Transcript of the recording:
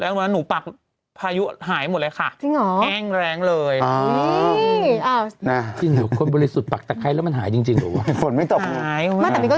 แล้วเรื่องการปักตะไคร้มันวัดได้จริงไหม